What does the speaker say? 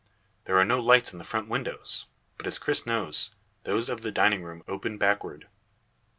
There are no lights in the front windows, but, as Cris knows, those of the dining room open backward.